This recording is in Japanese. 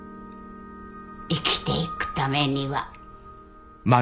生きていくためには。